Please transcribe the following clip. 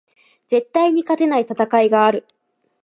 絶対に勝てない戦いがある